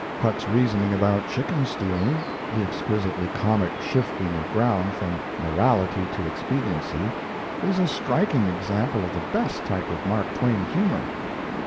Huck's reasoning about chicken stealing the exquisitely comic shifting of ground from morality to expediency is a striking example of the best type of Mark Twain's humour.